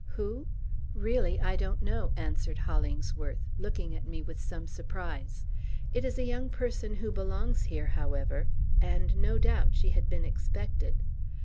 "Who? Really, I don't know," answered Hollingsworth, looking at me with some surprise. "It is a young person who belongs here, however; and no doubt she had been expected.